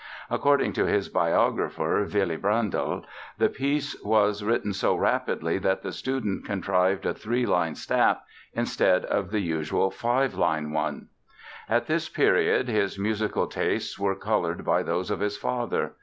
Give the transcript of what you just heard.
According to his biographer, Willy Brandl, the piece was written so rapidly that the student contrived a three line staff instead of the usual five line one. At this period his musical tastes were colored by those of his father.